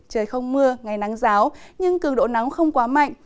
trời không mưa ngày nắng giáo nhưng cường độ nắng không quá mạnh